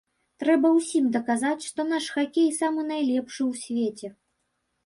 Трэба ўсім даказаць, што наш хакей самы найлепшы ў свеце.